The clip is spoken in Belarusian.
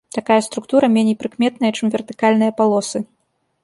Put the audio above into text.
Такая структура меней прыкметная, чым вертыкальныя палосы.